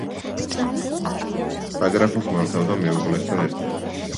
საგრაფოს მართავდა მეუღლესთან ერთად.